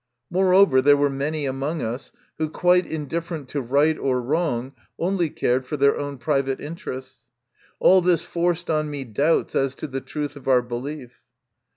Moreover, there were many among us who, quite indifferent to right or wrong, only cared for their own private interests. All this forced on me doubts as to the truth of our belief.